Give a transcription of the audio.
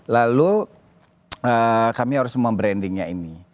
lalu kami harus membrandingnya ini